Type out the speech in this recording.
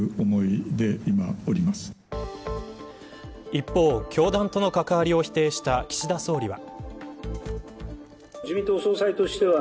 一方、教団との関わりを否定した岸田総理は。